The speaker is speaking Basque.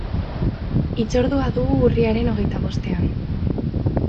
Hitzordua dugu urriaren hogeita bostean.